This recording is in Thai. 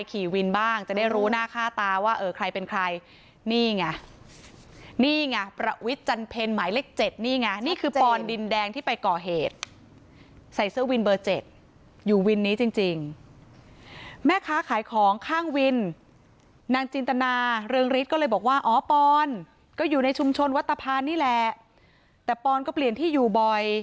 ขี่วินบ้างจะได้รู้หน้าค่าตาว่าเออใครเป็นใครนี่ไงนี่ไงประวิทย์จันเพ็ญหมายเลขเจ็ดนี่ไงนี่คือปอนดินแดงที่ไปก่อเหตุใส่เสื้อวินเบอร์เจ็ดอยู่วินนี้จริงแม่ค้าขายของข้างวินนางจินตนาเรืองฤทธิ์ก็เลยบอกว่าอ๋อปอนก็อยู่ในชุมชนวัตภานี่แหละแต่ปอนก็เปลี่ยนที่อยู่บ่อย